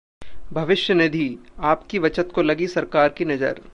भविष्य निधिः आपकी बचत को लगी सरकार की नजर